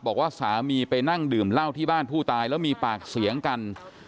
บอกว่าสามีไปนั่งดื่มเหล้าที่บ้านผู้ตายแล้วมีปากเสียงกัน